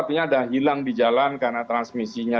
artinya ada hilang di jalan karena transmisinya